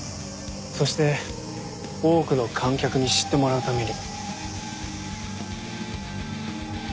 そして多くの観客に知ってもらうために。